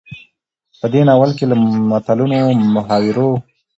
په دې ناول کې له متلونو، محاورو،